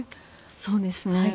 そうですね。